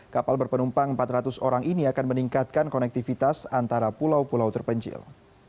kapal berpenumpang empat ratus orang ini akan meningkatkan konektivitas antara pulau pulau terpencil